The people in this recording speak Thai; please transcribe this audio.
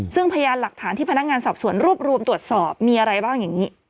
ซึ่งพยานหลักฐานที่พนักงานสอบสวนรวบรวมตรวจสอบมีอะไรบ้างอย่างนี้